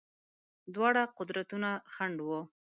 دواړه قدرتونه خنډ وه.